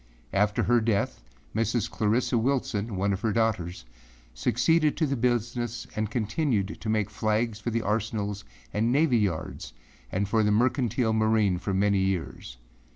After her death, Mrs. Clarissa Wilson, one of her daughters, succeeded to the business and continued to make flags for the arsenals and navy yards and for the mercantile marine for many years.